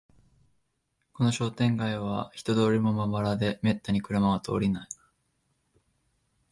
この商店街は人通りもまばらで、めったに車は通らない